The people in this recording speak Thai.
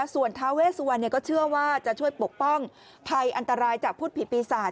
ส่วนท้าเวสวันก็เชื่อว่าจะช่วยปกป้องภัยอันตรายจากพูดผิดปีศาจ